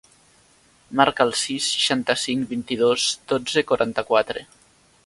Marca el sis, seixanta-cinc, vint-i-dos, dotze, quaranta-quatre.